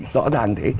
rõ ràng thế